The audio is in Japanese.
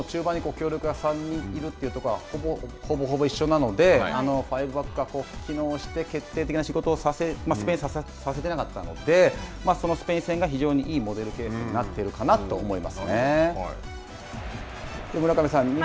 クロアチアとスペインは、同じ４−３−３の、中盤に強力な３人がいるというところはほぼほぼ一緒なので、ファイブバックが機能して、決定的な仕事をスペインにはさせてなかったので、そのスペイン戦が非常にいいモデルケースになっているかなと思いますね。